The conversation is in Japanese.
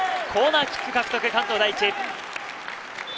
コーナーキック獲得、関東第一。